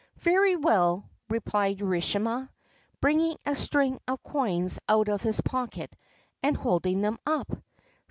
'Very well,' replied Urashima, bringing a string of coins out of his pocket and holding them up.